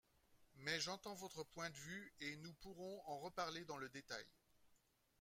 Mais j’entends votre point de vue et nous pourrons en reparler dans le détail.